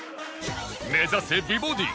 目指せ美ボディ！